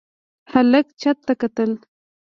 هلک چت ته کتل.